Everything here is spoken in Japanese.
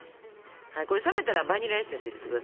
これ冷めたらバニラエッセンス入れて下さいよ。